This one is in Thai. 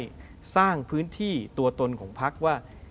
ที่จะได้สร้างพื้นที่ตัวตนของภักรณ์ว่า